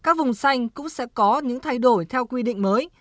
các vùng xanh cũng sẽ có những thay đổi theo quy định mới